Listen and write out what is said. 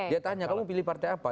dia tanya kamu pilih partai apa